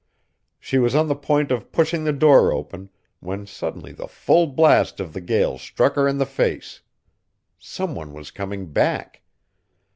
She was on the point of pushing the door open, when suddenly the full blast of the gale struck her in the face. Some one was coming back.